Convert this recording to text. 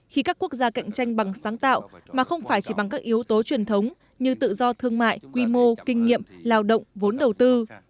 khi các quốc gia cạnh tranh bằng sáng tạo mà không phải chỉ bằng các yếu tố truyền thống như tự do thương mại quy mô kinh nghiệm lao động vốn đầu tư